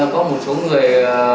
có một số người